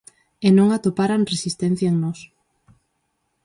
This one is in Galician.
E non atoparan resistencia en nós.